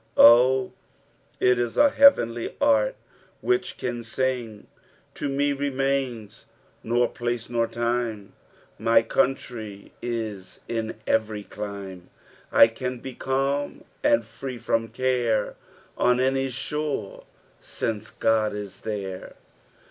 Oh I it is a heavenly heart which can sing —" To me remains nor place nor Ume ; My canntry li In erery clime ; I oaa be culm und [reu Irom care On any shore, alnce Qod is there.